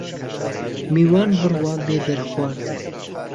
میوان بڕوا بێ دەرخوارد